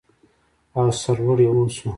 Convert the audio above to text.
او سرلوړي اوسو.